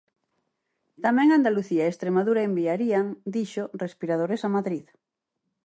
Tamén Andalucía e Estremadura enviarían, dixo, respiradores a Madrid.